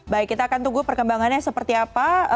baik kita akan tunggu perkembangannya seperti apa